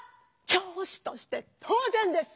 教師として当ぜんです。